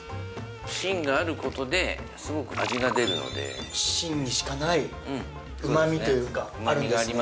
芯があることですごく味が出るので芯にしかない旨みというかあるんですね